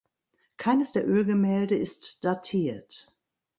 Keines der Ölgemälde ist datiert.